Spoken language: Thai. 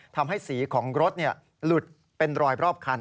ทำให้สีของรถหลุดเป็นรอยรอบคัน